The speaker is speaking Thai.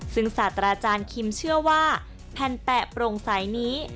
ซึ่งศาสตราจารย์คิมเชื่อว่าแผ่นแปะโปร่งใสนี้